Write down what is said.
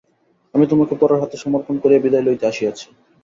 আমি তােমাকে পরের হাতে সমর্পণ করিয়া বিদায় লইতে আসিয়াছি।